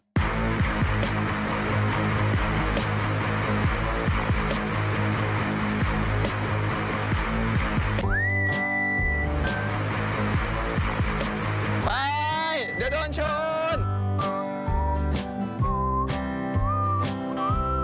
ไปเดี๋ยวโดนชน